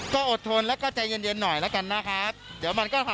ก็อดทนและก็ใจเย็นหน่อยแล้วกันนะคะเดี๋ยวมันก็ผ่านผ้นไป